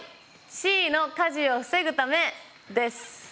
Ｃの火事を防ぐためです。